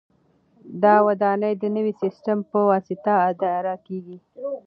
دا ودانۍ د نوي سیسټم په واسطه اداره کیږي.